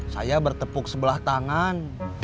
saya bertepuk sebelah tangan